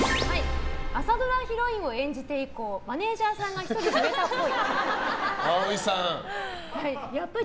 朝ドラヒロインを演じて以降マネジャーさんが１人増えたっぽい。